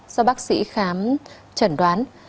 do bác sĩ khám chẩn đoán